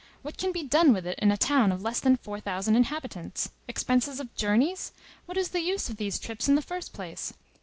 What can be done with it in a town of less than four thousand inhabitants? Expenses of journeys? What is the use of these trips, in the first place?